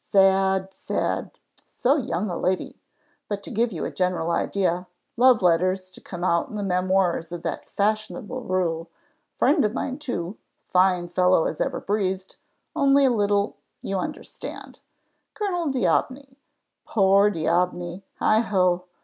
Sad sad so young a lady! But to give you a general idea, love letters to come out in the Memoirs of that fashionable Roué friend of mine too fine fellow as ever breathed only a little you understand; Colonel D'Aubigny Poor D'Atibigny, heigho!